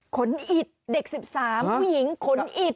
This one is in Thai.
ขนอิดเด็ก๑๓ผู้หญิงขนอิด